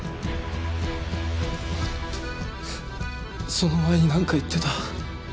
その前になんか言ってた。